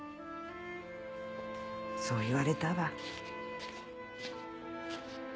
そう言われたわ。